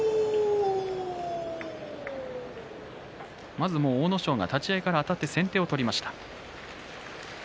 まず阿武咲が立ち合いからあたって先手を取りました。